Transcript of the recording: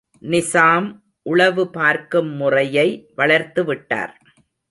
நிசாம் உளவு பார்க்கும் முறையை வளர்த்துவிட்டார்.